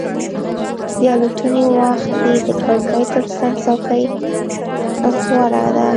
د الوتنې وخت کې د کړکۍ ترڅنګ څوکۍ غوره ده.